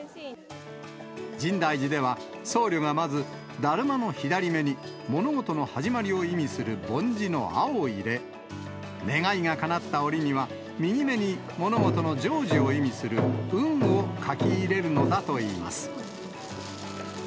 深大寺では、僧侶がまず、だるまの左目に、物事の始まりを意味するぼん字の阿を入れ、願いがかなった折には、右目に物事の成就を意味する吽を書き入れるのだといいます。